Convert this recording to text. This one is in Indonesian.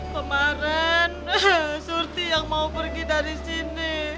kemarin surti yang mau pergi dari sini